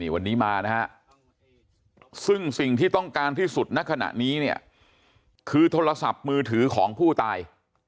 วันนี้มานะฮะซึ่งสิ่งที่ต้องการที่สุดณขณะนี้เนี่ยคือโทรศัพท์มือถือของผู้ตาย